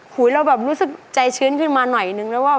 เราแบบรู้สึกใจชื้นขึ้นมาหน่อยนึงแล้วว่า